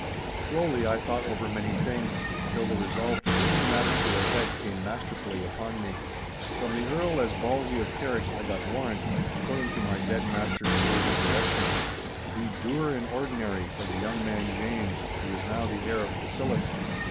Slowly I thought over many things, till the resolve to bring the matter to a head came masterfully upon me. From the Earl as Bailzie of Carrick I got warrant, according to my dead master's word and direction, to be doer in ordinary for the young man James, who was now the heir of Cassilis.